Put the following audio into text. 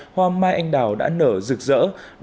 hoa mai anh đào đã nở rực rỡ